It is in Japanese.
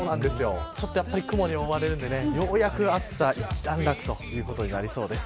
ちょっと雲に覆われるんでようやく暑さ一段落ということになりそうです。